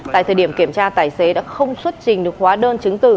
tại thời điểm kiểm tra tài xế đã không xuất trình được hóa đơn chứng từ